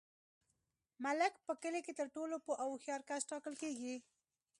ملک په کلي کي تر ټولو پوه او هوښیار کس ټاکل کیږي.